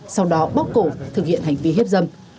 sau đó bóc cổ thực hiện hành vi hiếp dâm